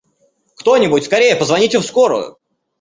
Кто-нибудь, скорее позвоните в скорую!